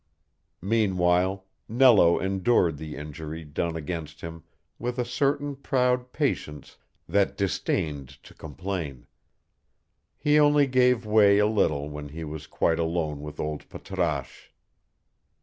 Meanwhile, Nello endured the injury done against him with a certain proud patience that disdained to complain: he only gave way a little when he was quite alone with old Patrasche.